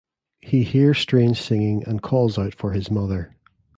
He hears strange singing and calls out for his mother.